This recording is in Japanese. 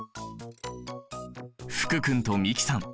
福君と美樹さん